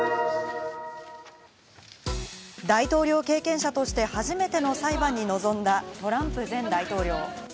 大統領経験者として初めての裁判に臨んだトランプ前大統領。